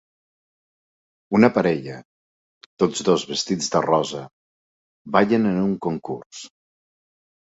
Una parella, tots dos vestits de rosa, ballen en un concurs.